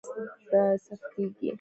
یوازې هغه منفي اجزا یې وځلوي.